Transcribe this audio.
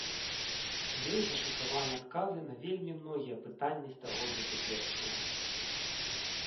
У ёй зашыфраваныя адказы на вельмі многія пытанні стагоддзя цяперашняга.